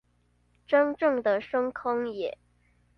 真正的深坑耶